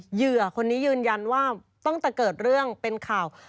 เหยื่อคนนี้ยืนยันว่าตั้งแต่เกิดเรื่องเป็นข่าว